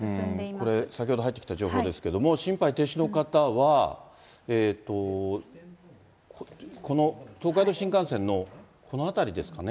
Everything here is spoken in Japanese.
これ、先ほど入ってきた情報ですけれども、心肺停止の方は、この東海道新幹線のこの辺りですかね。